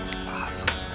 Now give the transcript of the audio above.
そうですか。